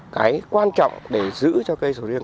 cái quan trọng để giữ cho cây sầu riêng